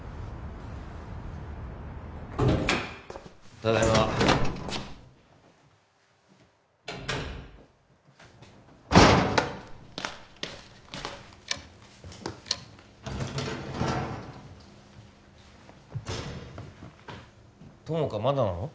ただいま友果まだなの？